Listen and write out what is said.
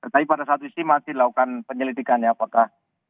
tapi pada saat isi masih dilakukan penyelidikan ya apakah